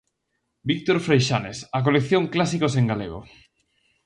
Víctor Freixanes: A colección Clásicos en Galego.